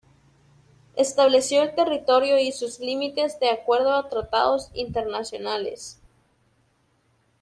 Estableció el territorio y sus límites de acuerdo a tratados internacionales.